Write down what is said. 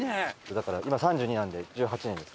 だから今３２なんで１８年です。